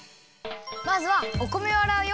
まずはお米をあらうよ！